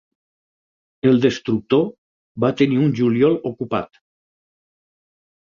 El destructor va tenir un juliol ocupat.